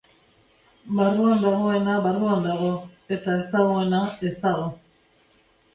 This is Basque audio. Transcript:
Barruan dagoena barruan dago, eta ez dagoena ez dago.